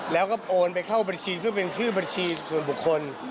แล้วก็โอนไปเข้าบัญชีซึ่งเป็นชื่อบัญชีส่วนบุคคล